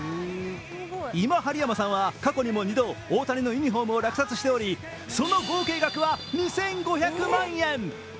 今針山さんは過去にも２度、大谷のユニフォームを落札しており、その合計額は２５００万円。